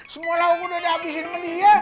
semua lauk gua udah dihabisin sama dia